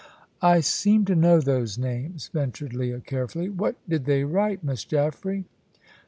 "I seem to know those names," ventured Leah, carefully. "What did they write, Miss Jaffray?"